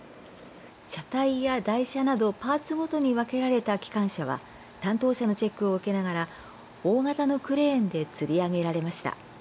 車体や台車などパーツごとに分けられた機関車は担当者のチェックを受けながら大型のクレーンでつり上げられました。